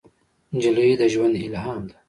نجلۍ د ژوند الهام ده.